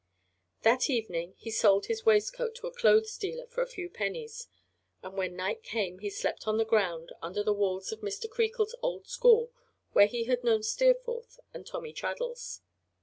That evening he sold his waistcoat to a clothes dealer for a few pennies, and when night came he slept on the ground, under the walls of Mr. Creakle's old school where he had known Steerforth and Tommy Traddles.